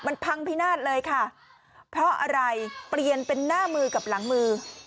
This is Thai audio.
มันพังพินาศเลยค่ะเพราะอะไรเปลี่ยนเป็นหน้ามือกับหลังมือ